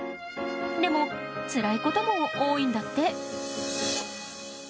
でもつらいことも多いんだって。